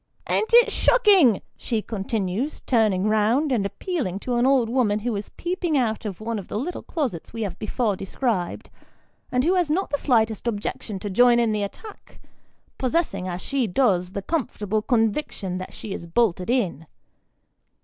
" An't it shocking ?" she continues, turning round, and appealing to an old woman who is peeping out of one of the little closets we have before described, and who has not the slightest objection to join in the attack, possessing, as she does, the comfortable conviction that she is bolted in.